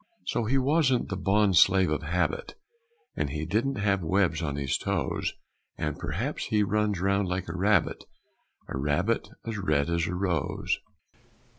_ So he wasn't the bond slave of habit, And he didn't have webs on his toes; And perhaps he runs round like a rabbit, A rabbit as red as a rose.